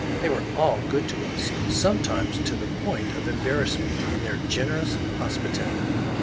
They were all good to us, sometimes to the point of embarrassment, in their generous hospitality.